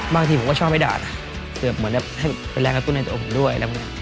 บางทีผมก็ชอบให้ด่านะเหมือนแบบให้เป็นแรงกระตุ้นในตัวผมด้วย